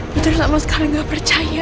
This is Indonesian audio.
putri lama sekali tidak percaya